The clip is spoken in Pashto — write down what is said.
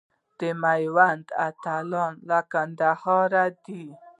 د میوند اتلان له کندهاره دي.